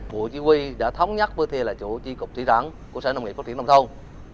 của chí quy đã thống nhất với thê là chủ trí cục thủy sản của sở nông nghiệp pháp thủy nông thôn